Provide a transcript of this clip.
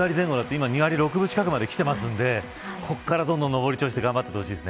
今２割６分近くまできているのでここから、どんどん上り調子で頑張ってほしいです。